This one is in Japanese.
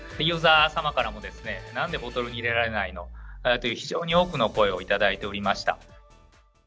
ユーザー様からも、なんでボトルに入れられないの？という、非常に多くの声を頂いておりました。